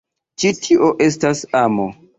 Ĉi tio estas amo.